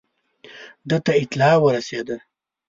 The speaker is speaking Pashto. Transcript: ده ته اطلاع ورسېده.